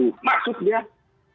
saya coba kacaukan dengan nic palsu